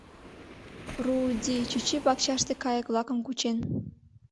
Рууди чӱчӱ пакчаште кайык-влакым кучен.